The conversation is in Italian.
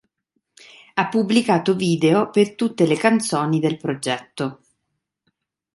Ha pubblicato video per tutte le canzoni del progetto.